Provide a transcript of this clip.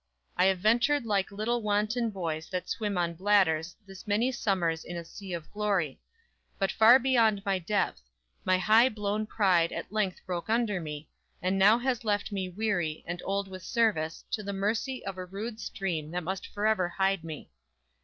I have ventured Like little wanton boys that swim on bladders This many summers in a sea of glory; But far beyond my depth; my high blown pride At length broke under me; and now has left me Weary, and old with service, to the mercy Of a rude stream that must forever hide me.